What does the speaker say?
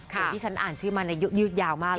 ที่ฉันอ่านชื่อมาในยึดยาวมากนะคะ